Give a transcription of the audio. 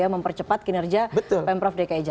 mempercepat kinerja pemprov dki jakarta